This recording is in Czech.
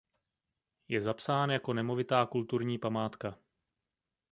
Je zapsán jako nemovitá kulturní památka.